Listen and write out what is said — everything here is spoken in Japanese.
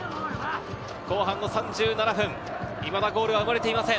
後半の３７分、いまだゴールは生まれていません。